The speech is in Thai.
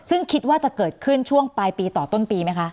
ซึ่งคิดว่าจะเกิดขึ้นช่วงปลายปีต่อต้นปีไหมคะ